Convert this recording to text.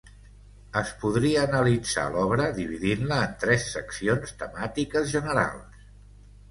Es podria analitzar l'obra dividint-la en tres seccions temàtiques generals.